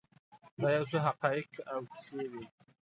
دا یو څه حقایق او کیسې وې.